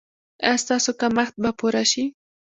ایا ستاسو کمښت به پوره شي؟